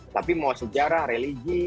tapi mau sejarah religi